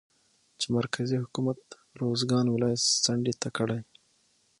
چې مرکزي حکومت روزګان ولايت څنډې ته کړى